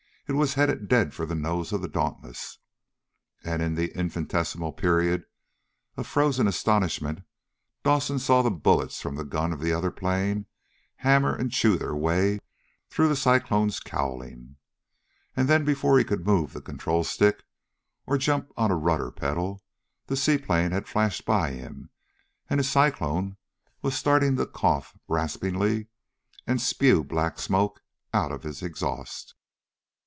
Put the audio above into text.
It was headed dead for the nose of the Dauntless, and in the infinitesimal period of frozen astonishment Dawson saw the bullets from the guns of the other plane hammer and chew their way through the Cyclone's cowling. And then before he could move the control stick, or jump on a rudder pedal, the seaplane had flashed by him, and his Cyclone was starting to cough raspingly and spew black smoke out of its exhaust.